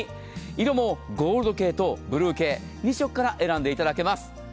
色もゴールド系とブルー系２色から選んでいただけます。